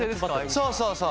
そうそうそう。